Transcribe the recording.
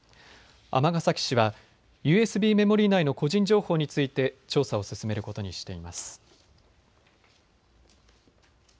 尼崎市はＵＳＢメモリー内の個人情報について調査を進めることにしています。